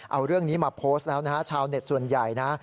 เอาเรื่องนี้มาโพสต์แล้วนะฮะชาวเน็ตส่วนใหญ่นะ